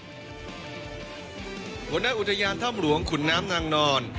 หัวหน้าอุทยานถ้ำหลวงขุนน้ำนางนอน